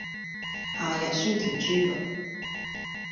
夏日酸甜豬肉